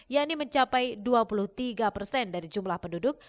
yang ini mencapai dua puluh tiga persen dari jumlah penduduk